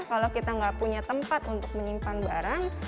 kalau kita nggak punya tempat untuk menyimpan barang